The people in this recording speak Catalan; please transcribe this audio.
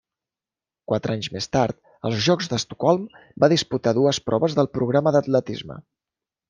Quatre anys més tard, als Jocs d'Estocolm, va disputar dues proves del programa d'atletisme.